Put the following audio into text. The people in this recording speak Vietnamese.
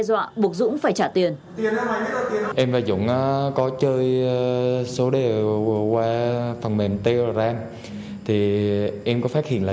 dọa buộc dũng phải trả tiền em và dũng có chơi số đề qua phần mềm tenc thì em có phát hiện là